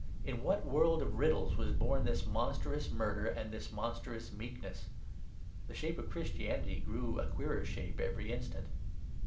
In what world of riddles was born this monstrous murder and this monstrous meekness? The shape of Christianity grew a queerer shape every instant.